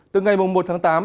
từ ngày một tháng tám